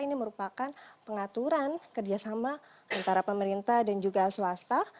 ini merupakan pengaturan kerjasama antara pemerintah dan juga swasta